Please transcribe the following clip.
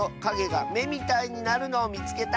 がめみたいになるのをみつけた！」。